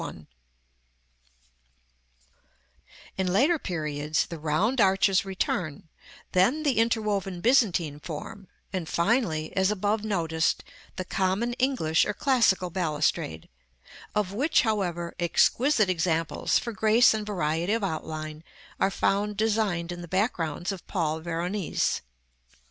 1. [Illustration: Plate XIII. BALCONIES.] § XXII. In later periods, the round arches return; then the interwoven Byzantine form; and finally, as above noticed, the common English or classical balustrade; of which, however, exquisite examples, for grace and variety of outline, are found designed in the backgrounds of Paul Veronese.